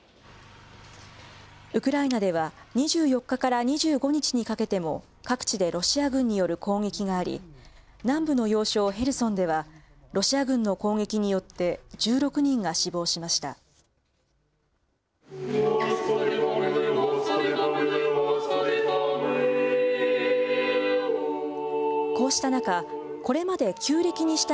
ウクライナでは２４日から２５日にかけても各地でロシア軍による攻撃があり、南部の要衝ヘルソンでは、ロシア軍の攻撃によって１６人が死亡しました。